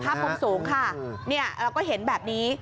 มุมสูงค่ะเราก็เห็นแบบนี้